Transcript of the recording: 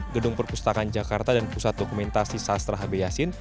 gedung perpustakaan jakarta dan pusat dokumen sastra hp yasin